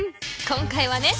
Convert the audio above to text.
今回はね